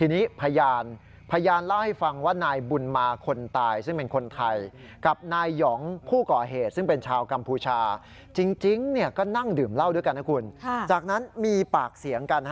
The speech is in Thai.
เล่าด้วยกันนะคุณจากนั้นมีปากเสียงกัน